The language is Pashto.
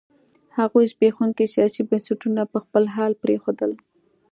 هغوی زبېښونکي سیاسي بنسټونه په خپل حال پرېښودل.